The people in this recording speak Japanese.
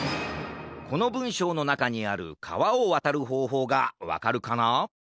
このぶんしょうのなかにあるかわをわたるほうほうがわかるかな？